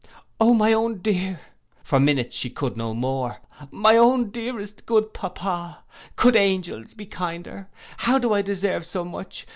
'—'O my own dear'—for minutes she could no more—'my own dearest good papa! Could angels be kinder! How do I deserve so much!